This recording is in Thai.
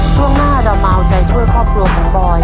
ความราวได้ช่วยครอบครัวของบอย